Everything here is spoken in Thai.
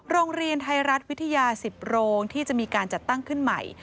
โรงเรียนไทยรัฐวิทยา๑๐โรงที่จะมีการจัดตั้งขึ้นใหม่